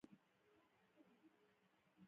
زه میر بازار ته ډېر راتلم.